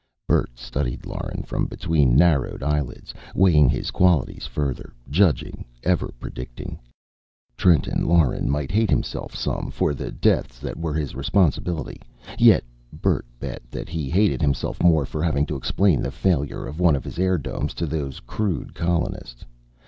Bert studied Lauren from between narrowed eyelids, weighing his qualities further, judging, ever predicting. Trenton Lauren might hate himself some for the deaths that were his responsibility. Yet Bert bet that he hated himself more for having to explain the failure of one of his airdomes to these crude colonists.